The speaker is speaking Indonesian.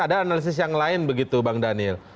ada analisis yang lain begitu bang daniel